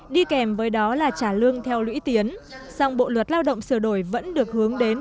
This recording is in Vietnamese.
đi kèm với đó là trả lương theo lũy tiến song bộ luật lao động sửa đổi vẫn được hướng đến